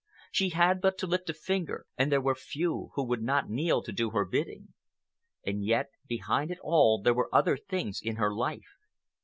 She had but to lift a finger and there were few who would not kneel to do her bidding. And yet, behind it all there were other things in her life.